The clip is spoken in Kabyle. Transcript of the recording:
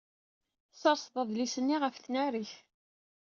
Tesserseḍ adlis-nni ɣef tnarit.